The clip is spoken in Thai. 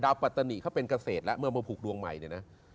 ดาวปรัตนิเขาเป็นเกษตรแหละเมื่อมาผุกดวงใหม่นี่นะ